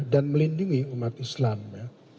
dan melindungi umat islam ya